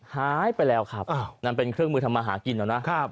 หายไปแล้วครับนั่นเป็นเครื่องมือทำมาหากินนะครับ